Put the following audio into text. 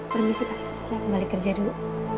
permisi pak saya kembali kerja dulu